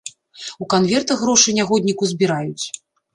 У канвертах грошы нягодніку збіраюць!